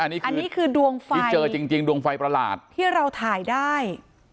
อันนี้คือดวงไฟที่เจอจริงดวงไฟประหลาดที่เราถ่ายได้